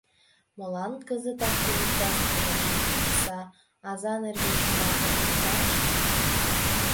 Молан кызытак туныкташ пижаш, окса, аза нерген шомакым лукташ?